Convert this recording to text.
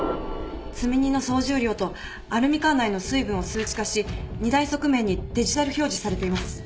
積み荷の総重量とアルミ缶内の水分を数値化し荷台側面にデジタル表示されています。